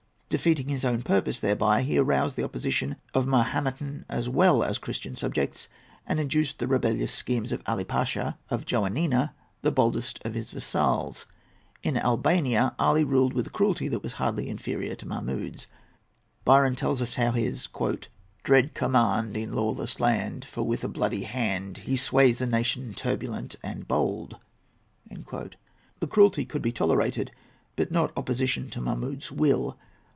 Defeating his own purpose thereby, he aroused the opposition of Mahometan as well as Christian subjects, and induced the rebellious schemes of Ali Pasha of Joannina, the boldest of his vassals. In Albania Ali ruled with a cruelty that was hardly inferior to Mahmud's. Byron tells how his "dread command Is lawless law; for with a bloody hand He sways a nation turbulent and told." The cruelty could be tolerated; but not opposition to Mahmud's will.